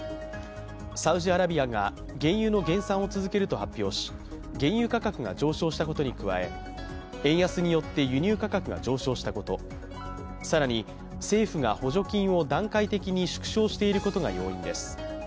サウジアラビアが原油の減産を続けると発表し原油価格が上昇したことに加え、円安によって輸入価格が上昇したこと、更に政府が補助金を段階的に縮小していることが要因です。